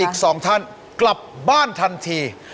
อีก๒ท่านกลับบ้านทันที